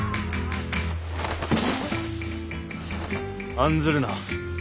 案ずるな。